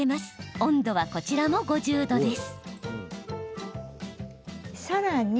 温度はこちらも５０度です。